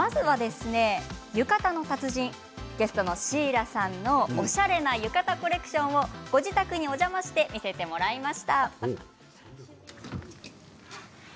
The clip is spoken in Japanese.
浴衣の達人ゲストのシーラさんのおしゃれな浴衣コレクションをご自宅にお邪魔して見せてもらいました。